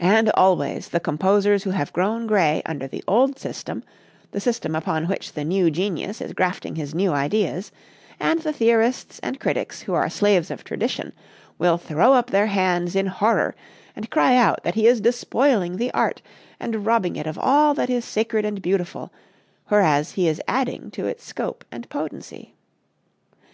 And always the composers who have grown gray under the old system, the system upon which the new genius is grafting his new ideas, and the theorists and critics, who are slaves of tradition, will throw up their hands in horror and cry out that he is despoiling the art and robbing it of all that is sacred and beautiful, whereas he is adding to its scope and potency.